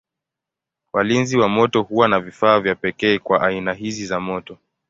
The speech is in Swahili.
Walinzi wa moto huwa na vifaa vya pekee kwa aina hizi za moto.